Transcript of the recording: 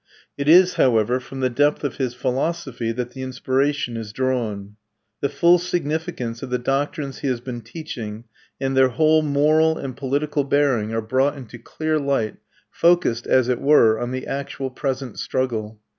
It is, however, from the depth of his philosophy that the inspiration is drawn. The full significance of the doctrines he has been teaching, and their whole moral and political bearing, are brought into clear light, focussed, as it were, on the actual present struggle.